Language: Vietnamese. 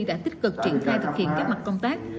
đã tích cực triển khai thực hiện các mặt công tác